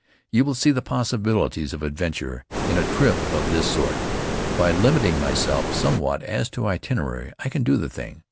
You will see the possibilities of adventure in a trip of this sort. By limiting myself somewhat as to itinerary I can do the thing.